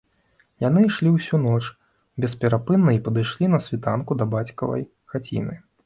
Яны ішлі ўсю ноч бесперапынна і падышлі на світанку да бацькавай хаціны